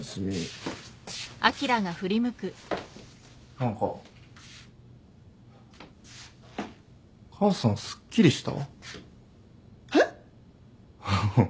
何か母さんすっきりした？えっ？ハハハ。